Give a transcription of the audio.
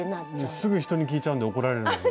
すぐ人に聞いちゃうんで怒られるんですよ